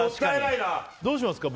どうしますか？